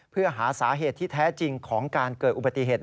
เพื่อหาสาเหตุที่แท้จริงของการเกิดอุบัติเหตุ